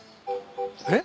えっ？